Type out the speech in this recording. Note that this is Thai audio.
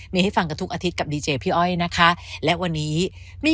มีให้ฟังกันทุกอาทิตย์กับดีเจพี่อ้อยนะคะและวันนี้มี